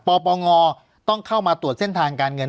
ปปงต้องเข้ามาตรวจเส้นทางการเงิน